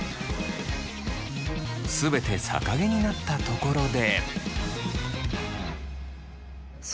全て逆毛になったところで。